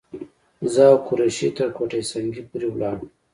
زه او قریشي تر کوټه سنګي پورې ولاړو.